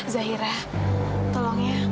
zahira tolong ya